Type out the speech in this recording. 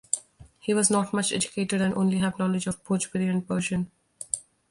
He was not much educated and only have knowledge of Bhojpuri and Persian.